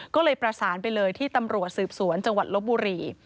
ก็เลยประสานไปเลยที่ตำรวจสืบสวนจังหวัดลบบุรี